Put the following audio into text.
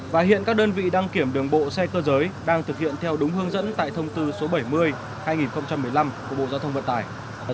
và hiện các đơn vị đăng kiểm đường bộ xe cơ giới đang thực hiện theo đúng hướng dẫn tại thông tư số bảy mươi hai nghìn một mươi năm của bộ giao thông vận tải